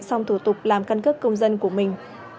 xong thủ tục làm căn cước công dân của mình